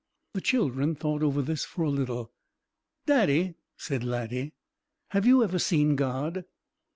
The children thought over this for a little. "Daddy," said Laddie, "have you ever seen God?"